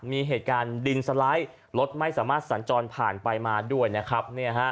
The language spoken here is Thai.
มีเหตุการณ์ดินสไลด์รถไม่สามารถสัญจรผ่านไปมาด้วยนะครับ